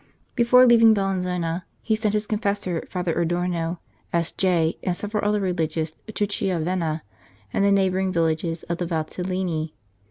Before leaving Bellinzona he sent his confessor, Father Adorno, S.J., and several other Religious, to Chiavenna and the neighbouring villages of the Valtellini.